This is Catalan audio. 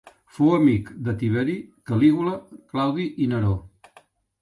Fou amic de Tiberi, Calígula, Claudi i Neró.